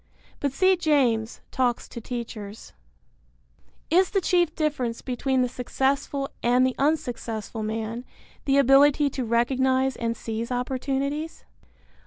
(But see James, Talks to Teachers.) Is the chief difference between the successful and the unsuccessful man the ability to recognize and seize opportunities?